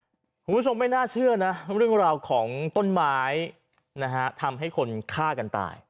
คุณผู้ชมไม่น่าเชื่อนะเรื่องราวของต้นไม้นะฮะทำให้คนฆ่ากันตาย